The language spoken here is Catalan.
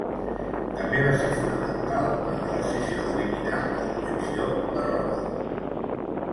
També va ser fonamental en la decisió d'eliminar la posició de "rover".